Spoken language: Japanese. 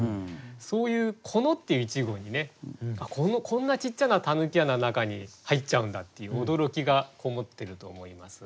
そういう「この」っていう一語にねこんなちっちゃな狸穴の中に入っちゃうんだっていう驚きがこもってると思います。